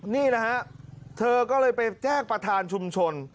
นี่นะฮะเธอก็เลยไปแจ้งประธานชุมชน